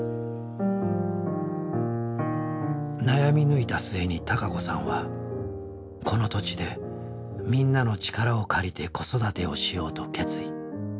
悩み抜いた末に孝子さんはこの土地でみんなの力を借りて子育てをしようと決意。